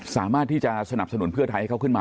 สามารถที่จะสนับสนุนเพื่อไทยให้เขาขึ้นมา